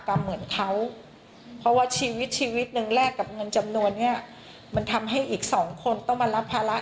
เหมือนเขาเพราะว่าชีวิตชีวิตหนึ่งแลกกับเงินจำนวนนี้มันทำให้อีกสองคนต้องมารับภาระ